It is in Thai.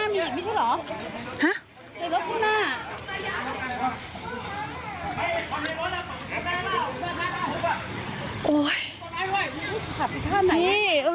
ยังใยรถข้างหน้ามีใช่เหรอ